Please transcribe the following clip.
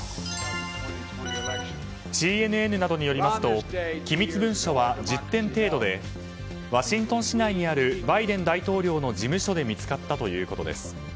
ＣＮＮなどによりますと機密文書は１０点程度でワシントン市内にあるバイデン大統領の事務所で見つかったということです。